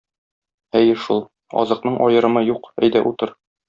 Әйе шул, азыкның аерымы юк, әйдә, утыр.